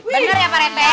bener ya pak rete